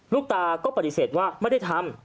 ลูกตาก็ปฏิเสธว่าไม่ได้ทำ